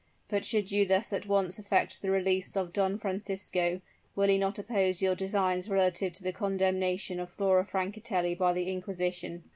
But should you thus at once effect the release of Don Francisco, will he not oppose your designs relative to the condemnation of Flora Francatelli by the inquisition?"